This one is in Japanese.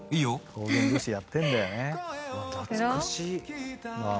方言女子やってんだよね。